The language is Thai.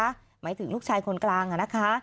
หมายถึงลูกชายคนกลางนะคะ